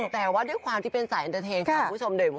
แต่ว่าด้วยความที่เป็นสายเอ็นเตอร์เทนค่ะคุณผู้ชม